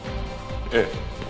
ええ。